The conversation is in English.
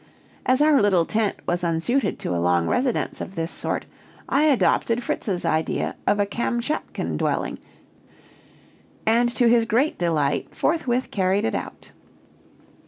As our little tent was unsuited to a long residence of this sort, I adopted Fritz's idea of a Kamschatchan dwelling, and, to his great delight, forthwith carried it out.